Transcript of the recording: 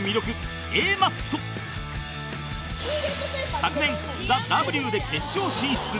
昨年 ＴＨＥＷ で決勝進出